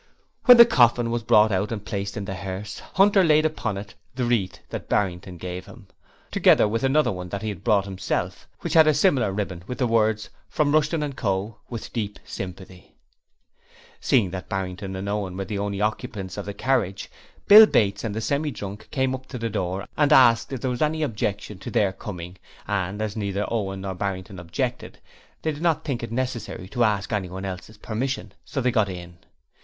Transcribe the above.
When the coffin was brought out and placed in the hearse, Hunter laid upon it the wreath that Barrington gave him, together with the another he had brought himself, which had a similar ribbon with the words: 'From Rushton & Co. With deep sympathy.' Seeing that Barrington and Owen were the only occupants of the carriage, Bill Bates and the Semi drunk came up to the door and asked if there was any objection to their coming and as neither Owen nor Barrington objected, they did not think it necessary to ask anyone else's permission, so they got in.